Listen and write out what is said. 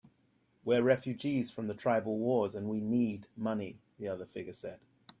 "We're refugees from the tribal wars, and we need money," the other figure said.